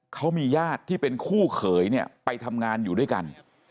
เขามีญาติที่เป็นคู่เขยเนี่ยไปทำงานอยู่ด้วยกัน